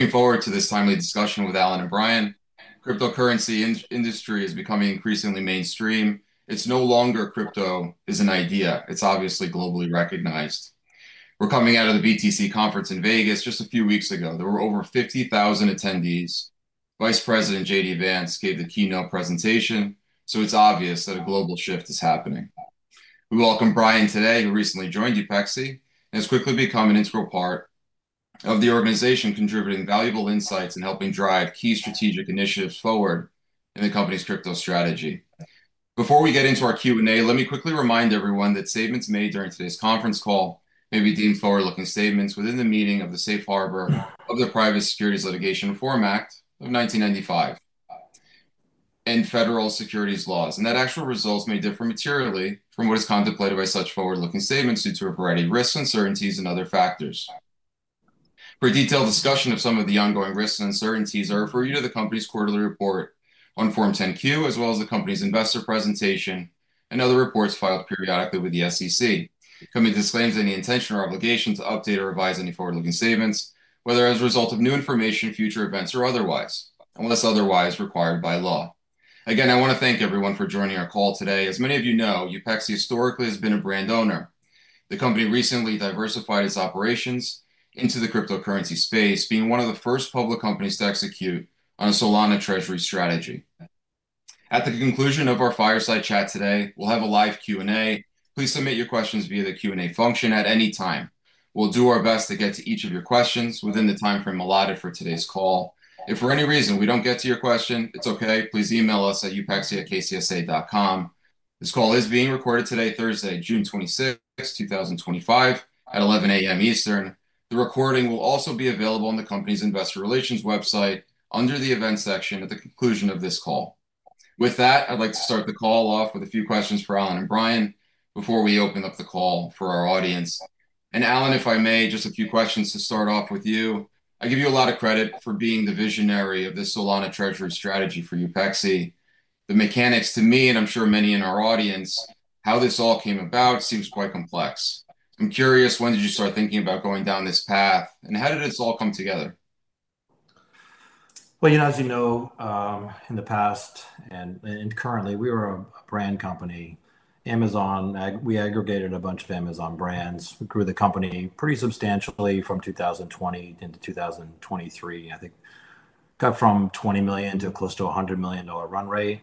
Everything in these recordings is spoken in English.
Looking forward to this timely discussion with Allan and Brian. The cryptocurrency industry is becoming increasingly mainstream. It's no longer crypto as an idea; it's obviously globally recognized. We're coming out of the BTC conference in Las Vegas just a few weeks ago. There were over 50,000 attendees. Vice President JD Vance gave the keynote presentation, so it's obvious that a global shift is happening. We welcome Brian today, who recently joined Upexi and has quickly become an integral part of the organization, contributing valuable insights and helping drive key strategic initiatives forward in the company's crypto strategy. Before we get into our Q&A, let me quickly remind everyone that statements made during today's conference call may be deemed forward-looking statements within the meaning of the Safe Harbor of the Private Securities Litigation Reform Act of 1995 and federal securities laws. That actual results may differ materially from what is contemplated by such forward-looking statements due to a variety of risks, uncertainties, and other factors. For a detailed discussion of some of the ongoing risks and uncertainties, I refer you to the company's quarterly report on Form 10Q, as well as the company's investor presentation and other reports filed periodically with the SEC, coming to disclaim any intention or obligation to update or revise any forward-looking statements, whether as a result of new information, future events, or otherwise, unless otherwise required by law. Again, I want to thank everyone for joining our call today. As many of you know, Upexi historically has been a brand owner. The company recently diversified its operations into the cryptocurrency space, being one of the first public companies to execute on a Solana treasury strategy. At the conclusion of our fireside chat today, we'll have a live Q&A. Please submit your questions via the Q&A function at any time. We'll do our best to get to each of your questions within the timeframe allotted for today's call. If for any reason we don't get to your question, it's okay. Please email us at upexi@kcsa.com. This call is being recorded today, Thursday, June 26, 2025, at 11:00 A.M. Eastern. The recording will also be available on the company's investor relations website under the event section at the conclusion of this call. With that, I'd like to start the call off with a few questions for Allan and Brian before we open up the call for our audience. Allan, if I may, just a few questions to start off with you. I give you a lot of credit for being the visionary of this Solana treasury strategy for Upexi. The mechanics to me, and I'm sure many in our audience, how this all came about seems quite complex. I'm curious, when did you start thinking about going down this path, and how did it all come together? You know, as you know, in the past and currently, we were a brand company. Amazon, we aggregated a bunch of Amazon brands. We grew the company pretty substantially from 2020 into 2023. I think it got from $20 million to close to a $100 million run rate.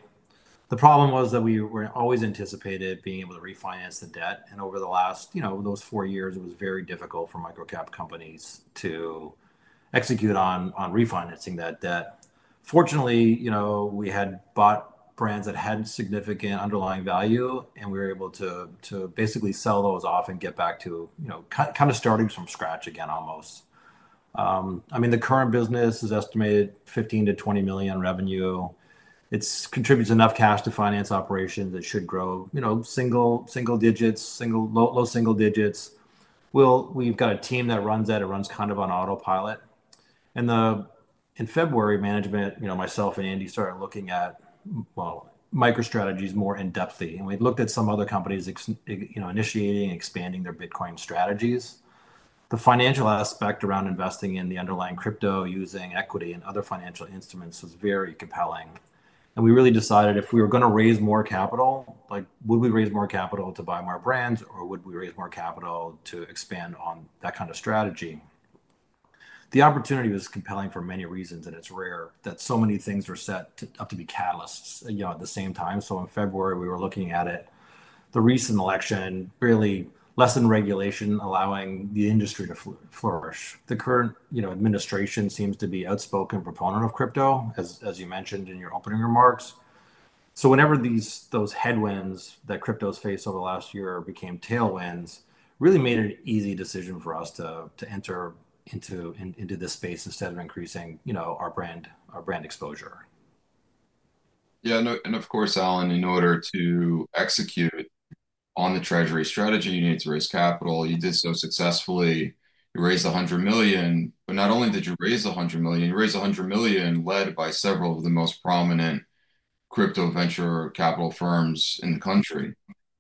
The problem was that we always anticipated being able to refinance the debt. Over the last, you know, those four years, it was very difficult for microcap companies to execute on refinancing that debt. Fortunately, you know, we had bought brands that had significant underlying value, and we were able to basically sell those off and get back to kind of starting from scratch again, almost. I mean, the current business is estimated $15 million-$20 million in revenue. It contributes enough cash to finance operations that should grow, you know, single digits, low single digits. We've got a team that runs that. It runs kind of on autopilot. In February, management, you know, myself and Andy started looking at, well, MicroStrategy more in depth. We looked at some other companies initiating and expanding their Bitcoin strategies. The financial aspect around investing in the underlying crypto using equity and other financial instruments was very compelling. We really decided if we were going to raise more capital, like, would we raise more capital to buy more brands, or would we raise more capital to expand on that kind of strategy? The opportunity was compelling for many reasons, and it's rare that so many things were set up to be catalysts at the same time. In February, we were looking at it. The recent election really lessened regulation, allowing the industry to flourish. The current administration seems to be an outspoken proponent of crypto, as you mentioned in your opening remarks. Whenever those headwinds that crypto's faced over the last year became tailwinds, it really made it an easy decision for us to enter into this space instead of increasing our brand exposure. Yeah. Of course, Allan, in order to execute on the treasury strategy, you need to raise capital. You did so successfully. You raised $100 million. Not only did you raise $100 million, you raised $100 million led by several of the most prominent crypto venture capital firms in the country,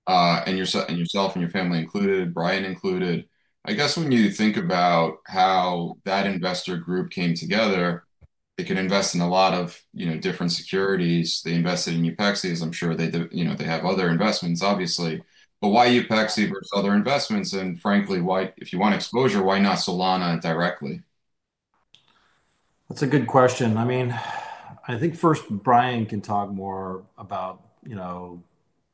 and yourself and your family included, Brian included. I guess when you think about how that investor group came together, they could invest in a lot of different securities. They invested in Upexi. I'm sure they have other investments, obviously. Why Upexi versus other investments? Frankly, if you want exposure, why not Solana directly? That's a good question. I mean, I think first Brian can talk more about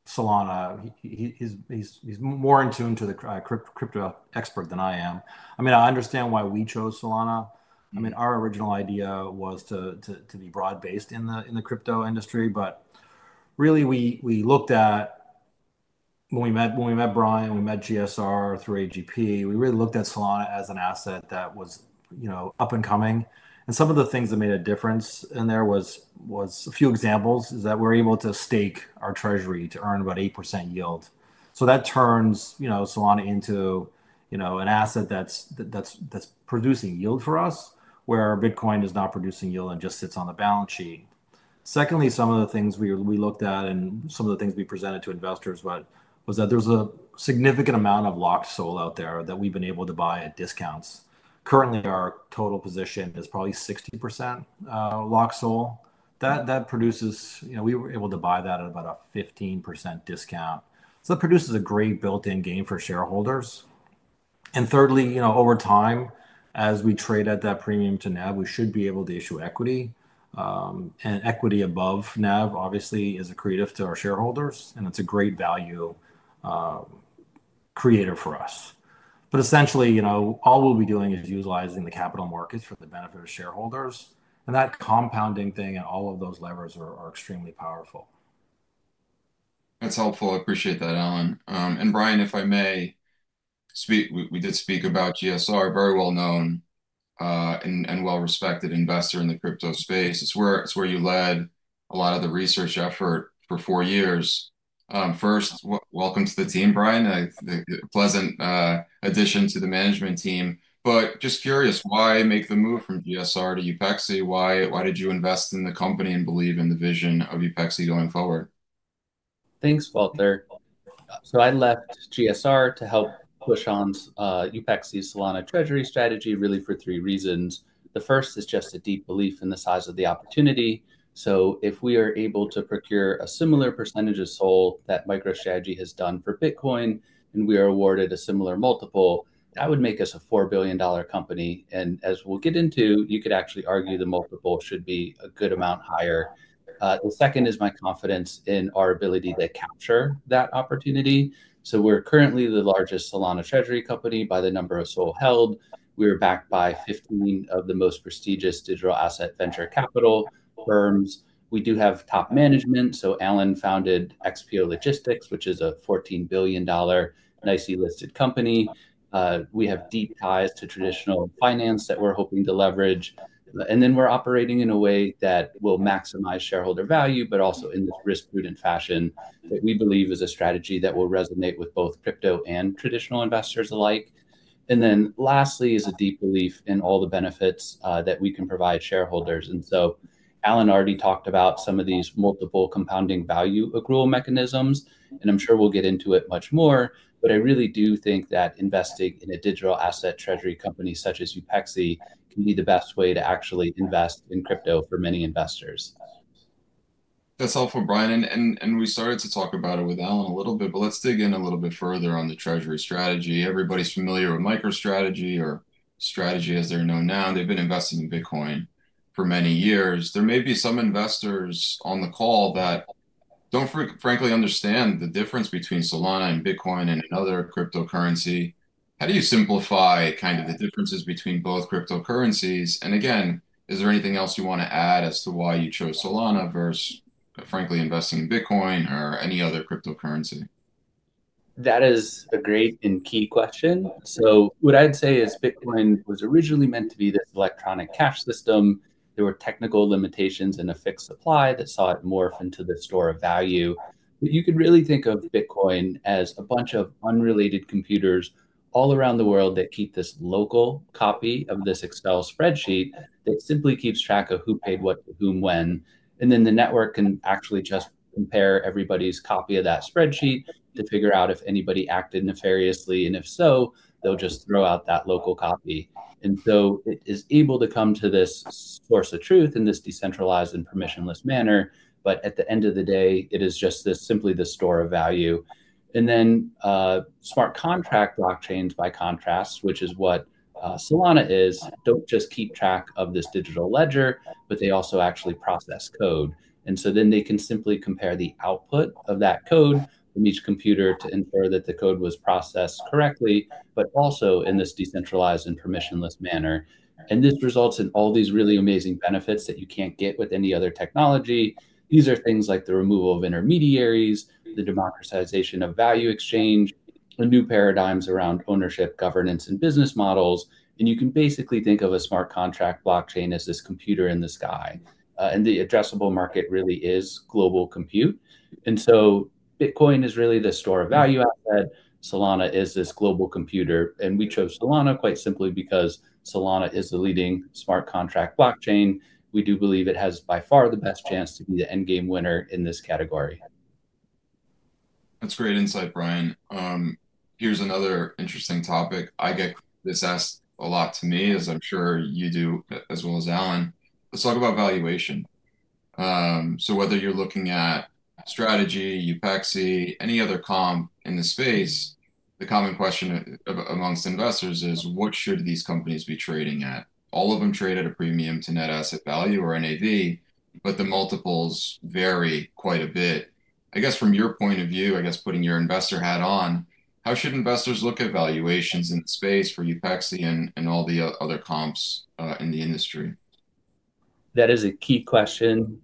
Solana. He's more in tune to the crypto expert than I am. I mean, I understand why we chose Solana. I mean, our original idea was to be broad-based in the crypto industry. I mean, we looked at when we met Brian, we met GSR through AGP, we really looked at Solana as an asset that was up-and-coming. Some of the things that made a difference in there was a few examples is that we're able to stake our treasury to earn about 8% yield. That turns Solana into an asset that's producing yield for us, where Bitcoin is not producing yield and just sits on the balance sheet. Secondly, some of the things we looked at and some of the things we presented to investors was that there's a significant amount of locked SOL out there that we've been able to buy at discounts. Currently, our total position is probably 60% locked SOL. That produces, you know, we were able to buy that at about a 15% discount. That produces a great built-in gain for shareholders. Thirdly, you know, over time, as we trade at that premium to NAV, we should be able to issue equity. Equity above NAV, obviously, is accretive to our shareholders, and it's a great value accretive for us. Essentially, you know, all we'll be doing is utilizing the capital markets for the benefit of shareholders. That compounding thing and all of those levers are extremely powerful. That's helpful. I appreciate that, Allan. Brian, if I may, we did speak about GSR, a very well-known and well-respected investor in the crypto space. It's where you led a lot of the research effort for four years. First, welcome to the team, Brian. Pleasant addition to the management team. Just curious, why make the move from GSR to Upexi? Why did you invest in the company and believe in the vision of Upexi going forward? Thanks, Valter. I left GSR to help push on Upexi's Solana treasury strategy, really for three reasons. The first is just a deep belief in the size of the opportunity. If we are able to procure a similar percentage of SOL that MicroStrategy has done for Bitcoin, and we are awarded a similar multiple, that would make us a $4 billion company. As we'll get into, you could actually argue the multiple should be a good amount higher. The second is my confidence in our ability to capture that opportunity. We are currently the largest Solana treasury company by the number of SOL held. We are backed by 15 of the most prestigious digital asset venture capital firms. We do have top management. Allan founded XPO Logistics, which is a $14 billion NYSE listed company. We have deep ties to traditional finance that we're hoping to leverage. We are operating in a way that will maximize shareholder value, but also in this risk-proven fashion that we believe is a strategy that will resonate with both crypto and traditional investors alike. Lastly, there is a deep belief in all the benefits that we can provide shareholders. Allan already talked about some of these multiple compounding value accrual mechanisms, and I'm sure we'll get into it much more. I really do think that investing in a digital asset treasury company such as Upexi can be the best way to actually invest in crypto for many investors. That's helpful, Brian. We started to talk about it with Allan a little bit, but let's dig in a little bit further on the treasury strategy. Everybody's familiar with MicroStrategy or Strategy as they're known now. They've been investing in Bitcoin for many years. There may be some investors on the call that don't frankly understand the difference between Solana and Bitcoin and another cryptocurrency. How do you simplify kind of the differences between both cryptocurrencies? Is there anything else you want to add as to why you chose Solana versus frankly investing in Bitcoin or any other cryptocurrency? That is a great and key question. What I'd say is Bitcoin was originally meant to be this electronic cash system. There were technical limitations and a fixed supply that saw it morph into this store of value. You could really think of Bitcoin as a bunch of unrelated computers all around the world that keep this local copy of this Excel spreadsheet that simply keeps track of who paid what to whom when. The network can actually just compare everybody's copy of that spreadsheet to figure out if anybody acted nefariously. If so, they'll just throw out that local copy. It is able to come to this source of truth in this decentralized and permissionless manner. At the end of the day, it is just simply the store of value. Smart contract blockchains by contrast, which is what Solana is, do not just keep track of this digital ledger, but they also actually process code. They can simply compare the output of that code from each computer to infer that the code was processed correctly, but also in this decentralized and permissionless manner. This results in all these really amazing benefits that you cannot get with any other technology. These are things like the removal of intermediaries, the democratization of value exchange, and new paradigms around ownership, governance, and business models. You can basically think of a smart contract blockchain as this computer in the sky. The addressable market really is global compute. Bitcoin is really the store of value asset. Solana is this global computer. We chose Solana quite simply because Solana is the leading smart contract blockchain. We do believe it has by far the best chance to be the endgame winner in this category. That's great insight, Brian. Here's another interesting topic I get. This asks a lot to me, as I'm sure you do as well as Allan. Let's talk about valuation. Whether you're looking at Strategy, Upexi, any other comp in the space, the common question amongst investors is, what should these companies be trading at? All of them trade at a premium to net asset value or NAV, but the multiples vary quite a bit. I guess from your point of view, I guess putting your investor hat on, how should investors look at valuations in the space for Upexi and all the other comps in the industry? That is a key question.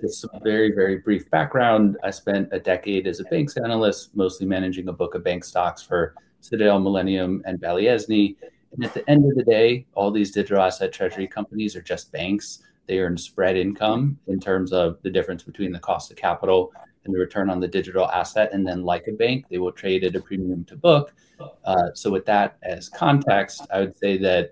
Just some very, very brief background. I spent a decade as a banks analyst, mostly managing a book of bank stocks for Sidell, Millennium, and Valli Eszny. At the end of the day, all these digital asset treasury companies are just banks. They earn spread income in terms of the difference between the cost of capital and the return on the digital asset. Like a bank, they will trade at a premium to book. With that as context, I would say that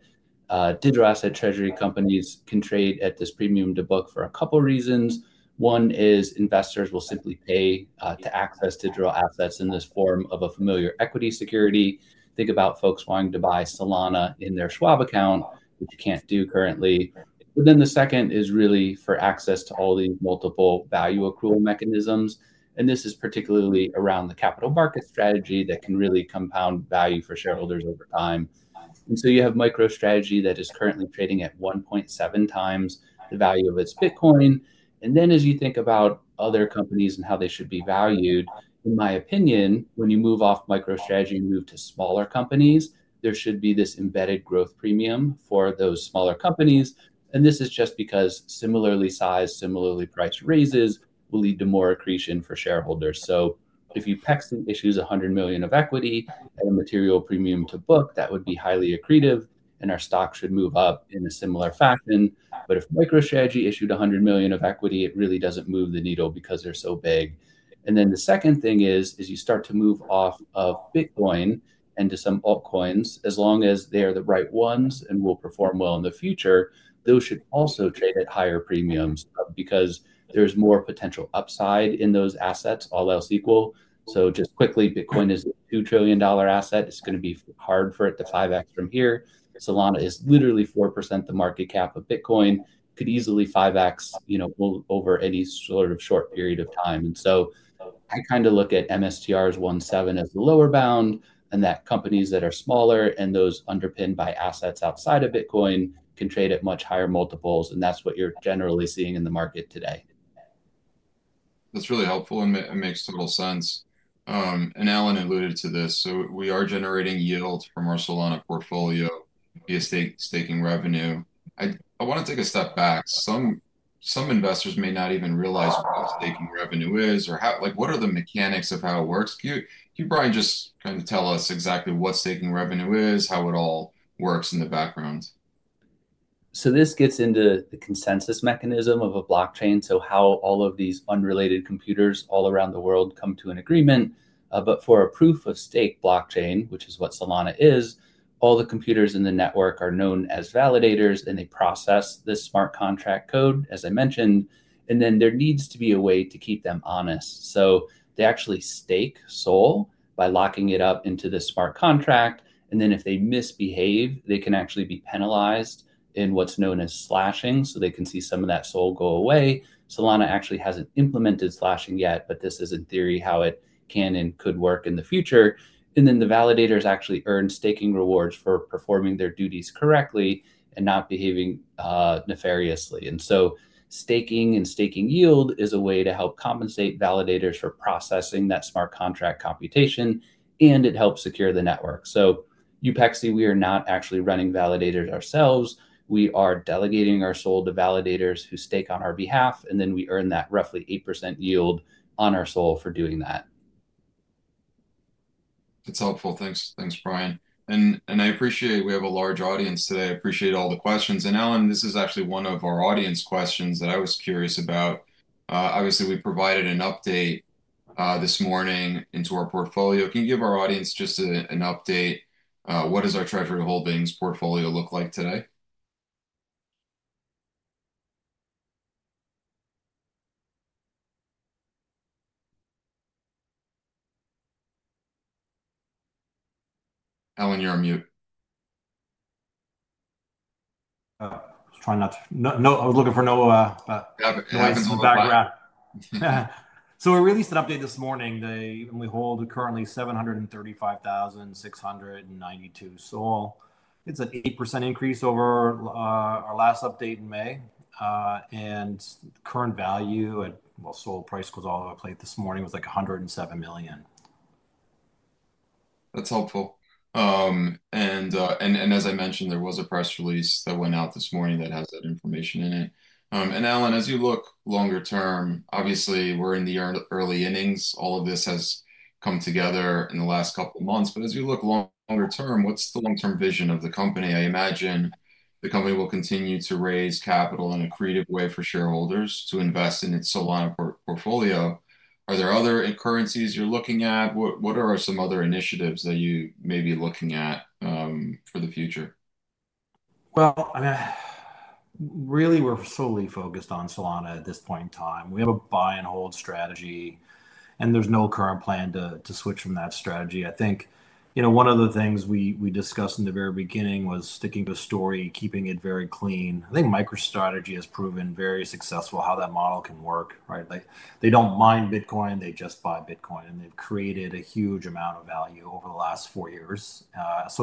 digital asset treasury companies can trade at this premium to book for a couple of reasons. One is investors will simply pay to access digital assets in this form of a familiar equity security. Think about folks wanting to buy Solana in their Schwab account, which you can't do currently. The second is really for access to all these multiple value accrual mechanisms. This is particularly around the capital market strategy that can really compound value for shareholders over time. You have MicroStrategy that is currently trading at 1.7x times the value of its Bitcoin. As you think about other companies and how they should be valued, in my opinion, when you move off MicroStrategy and move to smaller companies, there should be this embedded growth premium for those smaller companies. This is just because similarly sized, similarly priced raises will lead to more accretion for shareholders. If Upexi issues $100 million of equity at a material premium to book, that would be highly accretive. Our stock should move up in a similar fashion. If MicroStrategy issued $100 million of equity, it really does not move the needle because they are so big. The second thing is, as you start to move off of Bitcoin and to some altcoins, as long as they are the right ones and will perform well in the future, those should also trade at higher premiums because there is more potential upside in those assets, all else equal. Just quickly, Bitcoin is a $2 trillion asset. It is going to be hard for it to 5x from here. Solana is literally 4% the market cap of Bitcoin. It could easily 5x over any sort of short period of time. I kind of look at MSTR's 1.7 as the lower bound, and that companies that are smaller and those underpinned by assets outside of Bitcoin can trade at much higher multiples. That is what you are generally seeing in the market today. That's really helpful. It makes total sense. Allan alluded to this. We are generating yield from our Solana portfolio via staking revenue. I want to take a step back. Some investors may not even realize what staking revenue is or what are the mechanics of how it works. Can you, Brian, just kind of tell us exactly what staking revenue is, how it all works in the background? This gets into the consensus mechanism of a blockchain. It is how all of these unrelated computers all around the world come to an agreement. For a proof of stake blockchain, which is what Solana is, all the computers in the network are known as validators, and they process this smart contract code, as I mentioned. There needs to be a way to keep them honest. They actually stake SOL by locking it up into this smart contract. If they misbehave, they can actually be penalized in what is known as slashing. They can see some of that SOL go away. Solana actually has not implemented slashing yet, but this is, in theory, how it can and could work in the future. The validators actually earn staking rewards for performing their duties correctly and not behaving nefariously. Staking and staking yield is a way to help compensate validators for processing that smart contract computation, and it helps secure the network. Upexi, we are not actually running validators ourselves. We are delegating our SOL to validators who stake on our behalf, and then we earn that roughly 8% yield on our SOL for doing that. That's helpful. Thanks, Brian. I appreciate we have a large audience today. I appreciate all the questions. Allan, this is actually one of our audience questions that I was curious about. Obviously, we provided an update this morning into our portfolio. Can you give our audience just an update? What does our treasury holdings portfolio look like today? Allan, you're on mute. No, I was looking for Noah. Yeah, because background. We released an update this morning. The hold currently is 735,692 SOL. It's an 8% increase over our last update in May. The current value, SOL price was all over the place this morning, was like $107 million. That's helpful. As I mentioned, there was a press release that went out this morning that has that information in it. Allan, as you look longer term, obviously, we're in the early innings. All of this has come together in the last couple of months. As you look longer term, what's the long-term vision of the company? I imagine the company will continue to raise capital in a creative way for shareholders to invest in its Solana portfolio. Are there other currencies you're looking at? What are some other initiatives that you may be looking at for the future? I mean, really, we're solely focused on Solana at this point in time. We have a buy and hold strategy, and there's no current plan to switch from that strategy. I think one of the things we discussed in the very beginning was sticking to a story, keeping it very clean. I think MicroStrategy has proven very successful how that model can work. They do not mine Bitcoin. They just buy Bitcoin. They have created a huge amount of value over the last four years.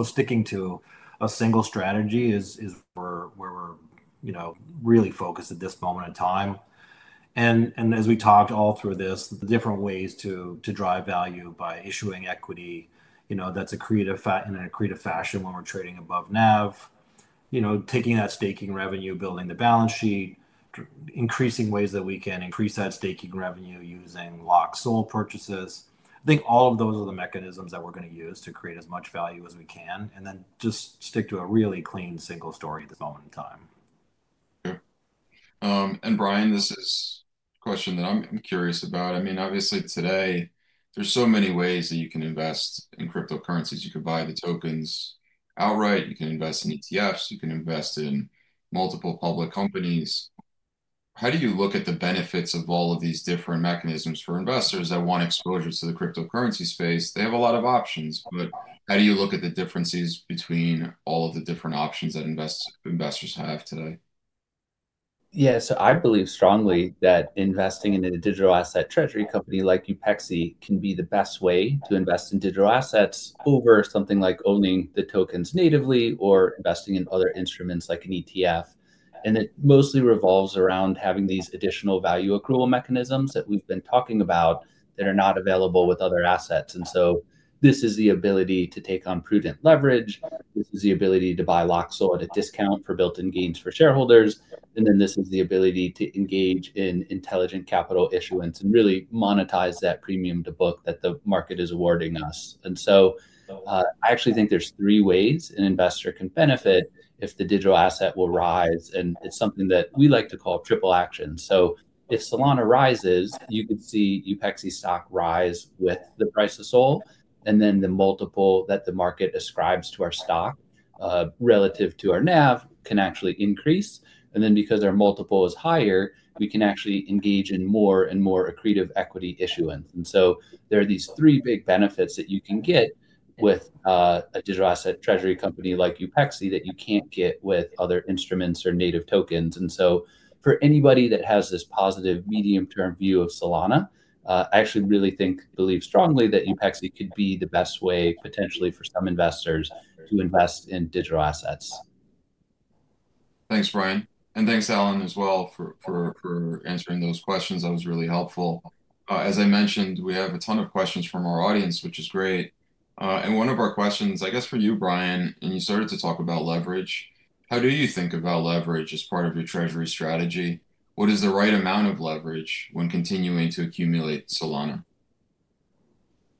Sticking to a single strategy is where we're really focused at this moment in time. As we talked all through this, the different ways to drive value by issuing equity that is in a creative fashion when we're trading above NAV, taking that staking revenue, building the balance sheet, increasing ways that we can increase that staking revenue using locked SOL purchases. I think all of those are the mechanisms that we're going to use to create as much value as we can. Just stick to a really clean single story at this moment in time. Brian, this is a question that I'm curious about. I mean, obviously, today, there are so many ways that you can invest in cryptocurrencies. You can buy the tokens outright. You can invest in ETFs. You can invest in multiple public companies. How do you look at the benefits of all of these different mechanisms for investors that want exposure to the cryptocurrency space? They have a lot of options. How do you look at the differences between all of the different options that investors have today? Yeah, so I believe strongly that investing in a digital asset treasury company like Upexi can be the best way to invest in digital assets over something like owning the tokens natively or investing in other instruments like an ETF. It mostly revolves around having these additional value accrual mechanisms that we've been talking about that are not available with other assets. This is the ability to take on prudent leverage. This is the ability to buy locked SOL at a discount for built-in gains for shareholders. This is the ability to engage in intelligent capital issuance and really monetize that premium to book that the market is awarding us. I actually think there are three ways an investor can benefit if the digital asset will rise. It is something that we like to call triple action. If Solana rises, you could see Upexi stock rise with the price of SOL. The multiple that the market ascribes to our stock relative to our NAV can actually increase. Because our multiple is higher, we can actually engage in more and more accretive equity issuance. There are these three big benefits that you can get with a digital asset treasury company like Upexi that you cannot get with other instruments or native tokens. For anybody that has this positive medium-term view of Solana, I actually really believe strongly that Upexi could be the best way potentially for some investors to invest in digital assets. Thanks, Brian. Thanks, Allan, as well for answering those questions. That was really helpful. As I mentioned, we have a ton of questions from our audience, which is great. One of our questions, I guess for you, Brian, and you started to talk about leverage. How do you think about leverage as part of your treasury strategy? What is the right amount of leverage when continuing to accumulate Solana?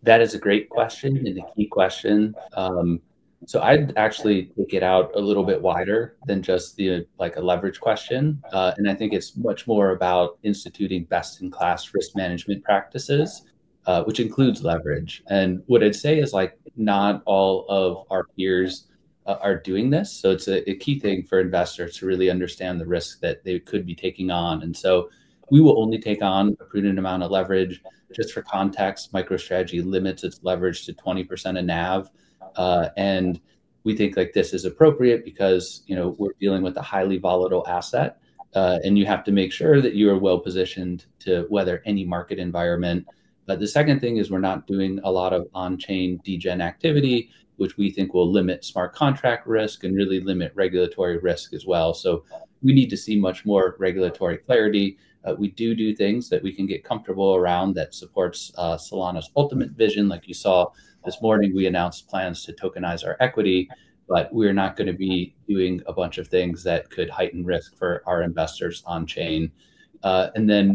That is a great question and a key question. I'd actually take it out a little bit wider than just a leverage question. I think it's much more about instituting best-in-class risk management practices, which includes leverage. What I'd say is not all of our peers are doing this. It's a key thing for investors to really understand the risk that they could be taking on. We will only take on a prudent amount of leverage. Just for context, MicroStrategy limits its leverage to 20% of NAV. We think this is appropriate because we're dealing with a highly volatile asset. You have to make sure that you are well positioned to weather any market environment. The second thing is we're not doing a lot of on-chain degen activity, which we think will limit smart contract risk and really limit regulatory risk as well. We need to see much more regulatory clarity. We do do things that we can get comfortable around that supports Solana's ultimate vision. Like you saw this morning, we announced plans to tokenize our equity. We are not going to be doing a bunch of things that could heighten risk for our investors on-chain.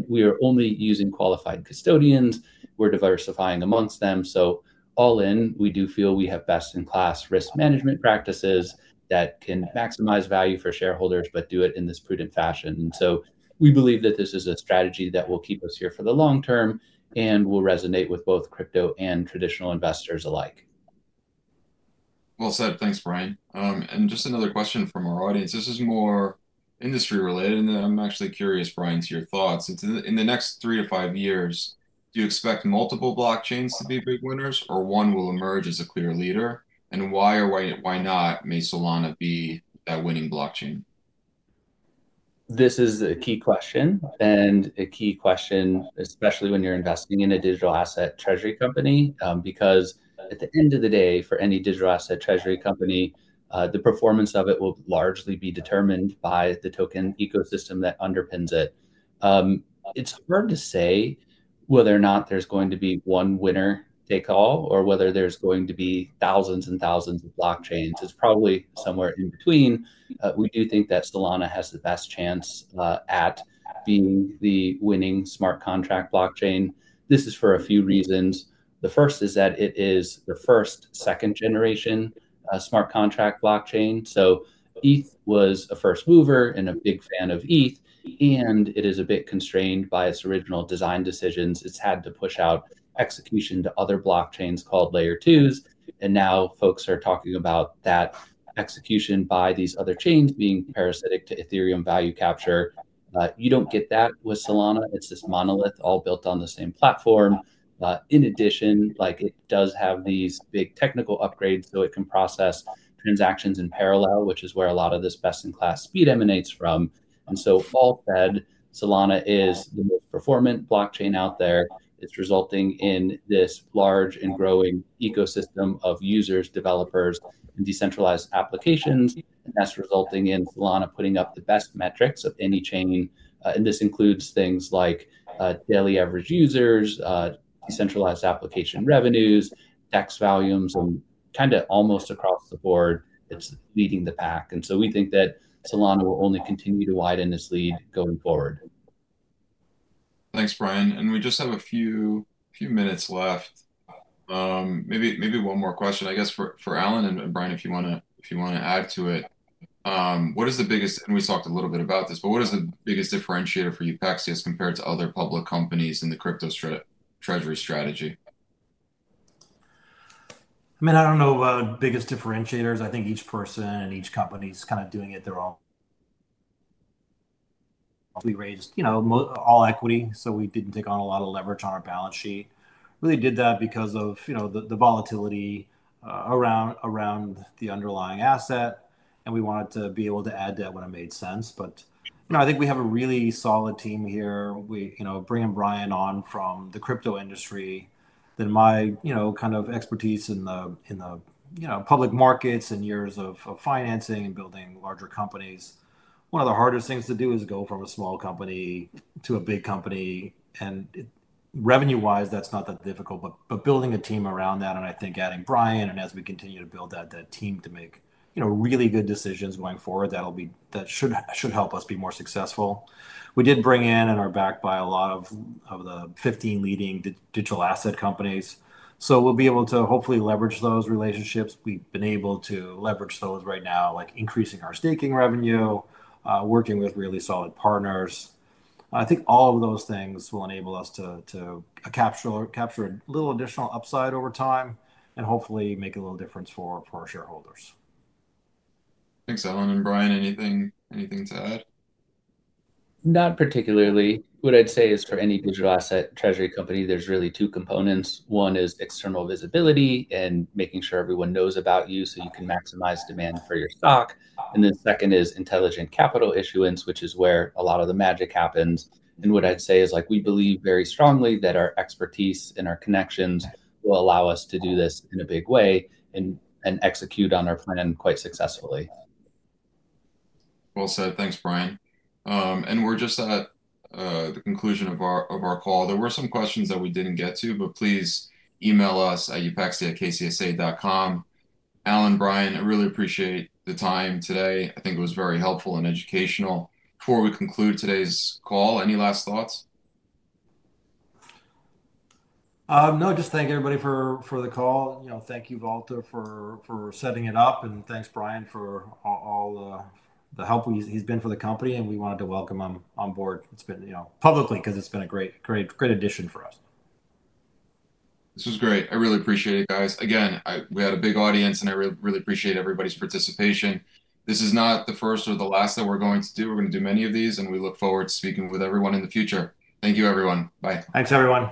We are only using qualified custodians. We're diversifying amongst them. All in, we do feel we have best-in-class risk management practices that can maximize value for shareholders, but do it in this prudent fashion. We believe that this is a strategy that will keep us here for the long term and will resonate with both crypto and traditional investors alike. Thanks, Brian. Just another question from our audience. This is more industry-related. I'm actually curious, Brian, to your thoughts. In the next three to five years, do you expect multiple blockchains to be big winners or one will emerge as a clear leader? Why or why not may Solana be that winning blockchain? This is a key question and a key question, especially when you're investing in a digital asset treasury company. Because at the end of the day, for any digital asset treasury company, the performance of it will largely be determined by the token ecosystem that underpins it. It's hard to say whether or not there's going to be one winner take all or whether there's going to be thousands and thousands of blockchains. It's probably somewhere in between. We do think that Solana has the best chance at being the winning smart contract blockchain. This is for a few reasons. The first is that it is the first second-generation smart contract blockchain. ETH was a first mover and a big fan of ETH. And it is a bit constrained by its original design decisions. It's had to push out execution to other blockchains called Layer 2s. Now folks are talking about that execution by these other chains being parasitic to Ethereum value capture. You do not get that with Solana. It is this monolith all built on the same platform. In addition, it does have these big technical upgrades so it can process transactions in parallel, which is where a lot of this best-in-class speed emanates from. All said, Solana is the most performant blockchain out there. It is resulting in this large and growing ecosystem of users, developers, and decentralized applications. That is resulting in Solana putting up the best metrics of any chain. This includes things like daily average users, decentralized application revenues, DEX volumes. Kind of almost across the board, it is leading the pack. We think that Solana will only continue to widen its lead going forward. Thanks, Brian. We just have a few minutes left. Maybe one more question, I guess, for Allan and Brian, if you want to add to it. What is the biggest—and we talked a little bit about this—what is the biggest differentiator for Upexi as compared to other public companies in the crypto treasury strategy? I mean, I don't know about biggest differentiators. I think each person and each company is kind of doing it their own. We raised all equity, so we didn't take on a lot of leverage on our balance sheet. Really did that because of the volatility around the underlying asset. We wanted to be able to add debt when it made sense. I think we have a really solid team here. We bring Brian on from the crypto industry. Then my kind of expertise in the public markets and years of financing and building larger companies. One of the hardest things to do is go from a small company to a big company. Revenue-wise, that's not that difficult. Building a team around that, and I think adding Brian and as we continue to build that team to make really good decisions going forward, that should help us be more successful. We did bring in and are backed by a lot of the 15 leading digital asset companies. We will be able to hopefully leverage those relationships. We have been able to leverage those right now, like increasing our staking revenue, working with really solid partners. I think all of those things will enable us to capture a little additional upside over time and hopefully make a little difference for our shareholders. Thanks, Allan. Brian, anything to add? Not particularly. What I'd say is for any digital asset treasury company, there's really two components. One is external visibility and making sure everyone knows about you so you can maximize demand for your stock. The second is intelligent capital issuance, which is where a lot of the magic happens. What I'd say is we believe very strongly that our expertise and our connections will allow us to do this in a big way and execute on our plan quite successfully. Thanks, Brian. We are just at the conclusion of our call. There were some questions that we did not get to, but please email us at upexi@kcsa.com. Allan, Brian, I really appreciate the time today. I think it was very helpful and educational. Before we conclude today's call, any last thoughts? No, just thank everybody for the call. Thank you, Valter, for setting it up. Thank you, Brian, for all the help he's been for the company. We wanted to welcome him on board publicly because it's been a great addition for us. This was great. I really appreciate it, guys. Again, we had a big audience, and I really appreciate everybody's participation. This is not the first or the last that we're going to do. We're going to do many of these, and we look forward to speaking with everyone in the future. Thank you, everyone. Bye. Thanks, everyone.